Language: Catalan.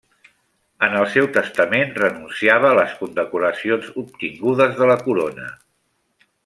En el seu testament renunciava a les condecoracions obtingudes de la corona.